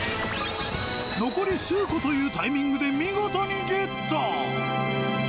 残り数個というタイミングで、見事にゲット。